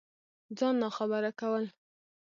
ځان ناخبره كول